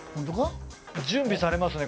準備されますね